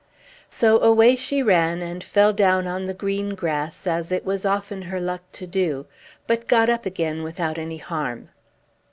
So away she ran, and fell down on the green grass, as it was often her luck to do, but got up again, without any harm.